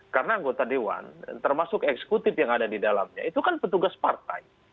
karena anggota dewan termasuk eksekutif yang ada di dalamnya itu kan petugas partai